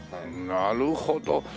なるほど。